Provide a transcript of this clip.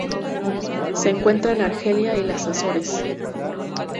Se encuentra en Argelia y las Azores.